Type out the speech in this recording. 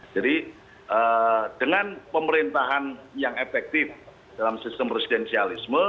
jadi dengan pemerintahan yang efektif dalam sistem presidensialisme